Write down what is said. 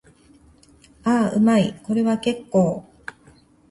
ああ、うまい。これは結構。